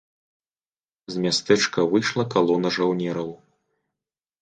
З мястэчка выйшла калона жаўнераў.